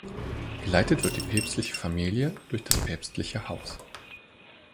Geleitet wird die Päpstliche Familie durch das Päpstliche Haus.